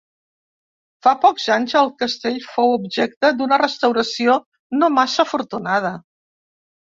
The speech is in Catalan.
Fa pocs anys el castell fou objecte d'una restauració no massa afortunada.